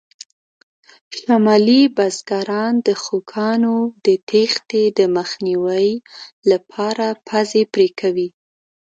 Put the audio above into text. شمالي بزګران د خوکانو د تېښتې د مخنیوي لپاره پزې پرې کوي.